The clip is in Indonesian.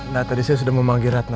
nah tadi saya sudah memanggil ratna